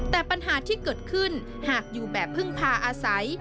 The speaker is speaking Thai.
แต่ปัญหาที่เกิดขึ้นหากอยู่แบบพึ่งพาอาศัย